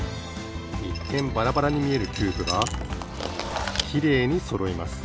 いっけんバラバラにみえるキューブがきれいにそろいます。